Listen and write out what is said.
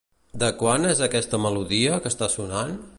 De quan és aquesta melodia que està sonant?